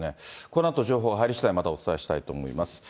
このあと情報が入りしだい、またお伝えしたいと思います。